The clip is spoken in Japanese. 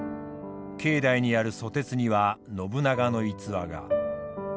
境内にある蘇鉄には信長の逸話が。